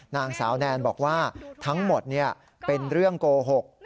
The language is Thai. นางสาวแนนบอกว่าทั้งหมดเป็นเรื่องโกหก